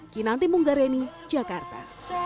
kinanti munggareni jakarta